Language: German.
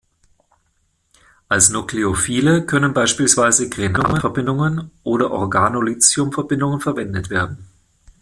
Als Nukleophile können beispielsweise Grignard-Verbindungen oder Organolithium-Verbindungen verwendet werden.